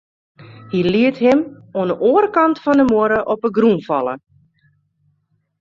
Hy liet him oan 'e oare kant fan de muorre op 'e grûn falle.